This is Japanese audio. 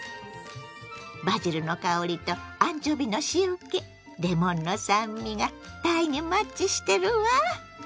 バジルの香りとアンチョビの塩けレモンの酸味がたいにマッチしてるわ。